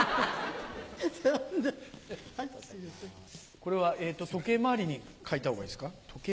これは時計回りに書いた方がいいですか？